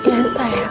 kamu berdoa ya sayang